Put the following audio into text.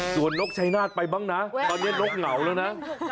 สวนนกชัยนาธไปบ้างนะตอนเนี่ยนกเหงาเลยนะ